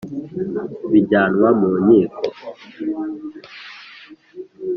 bijyanwa mu nkiko.